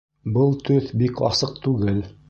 Был төҫ бик асыҡ түгел